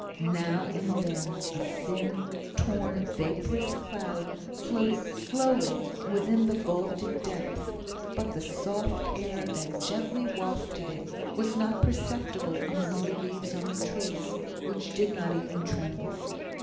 Now and then a thin, torn, vaporous cloud floated slowly within the vaulted depth; but the soft air that gently wafted it was not perceptible among the leaves on the trees, which did not even tremble.